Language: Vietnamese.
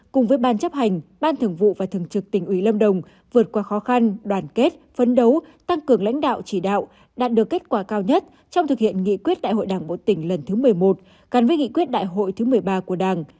cùng với ban chấp hành ban thường vụ và thường trực tỉnh ủy lâm đồng vượt qua khó khăn đoàn kết phấn đấu tăng cường lãnh đạo chỉ đạo đạt được kết quả cao nhất trong thực hiện nghị quyết đại hội đảng bộ tỉnh lần thứ một mươi một gắn với nghị quyết đại hội thứ một mươi ba của đảng